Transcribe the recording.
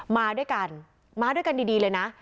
มาด้วยกันมาด้วยกันดีเลยนะ